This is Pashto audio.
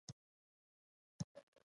کوتره له بڼو سره مینه لري.